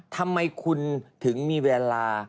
ทำไมคุณถึงมีเวลา